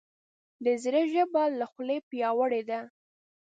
د زړه ژبه له خولې پیاوړې ده.